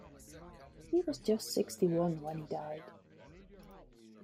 He was just sixty-one when he died.